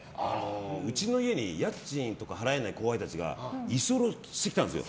うちの家に家賃とか払えない後輩たちがいそうろうしてきたんですよ。